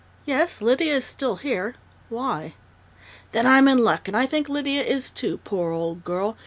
"Yes, Lydia is still here.... Why?" "Then I'm in luck, and I think Lydia is, too poor old girl!...